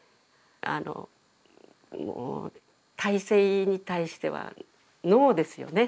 もう体制に対してはノーですよね。